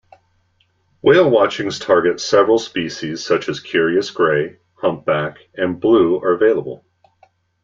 Whale watchings targeting several species such as curious gray, humpback, and blue are available.